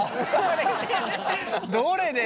どれでね。